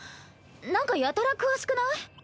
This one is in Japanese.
なんかやたら詳しくない？